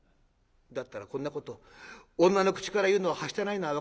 だったらこんなこと女の口から言うのははしたないのは分かってます。